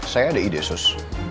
saya ada ide sus